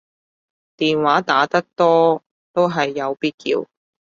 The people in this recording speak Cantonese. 電話打得多都係有必要